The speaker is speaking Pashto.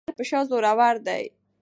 ـ پردى خر په شا زور ور وي.